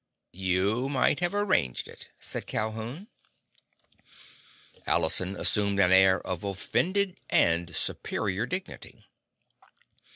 "You might have arranged it," said Calhoun. Allison assumed an air of offended and superior dignity.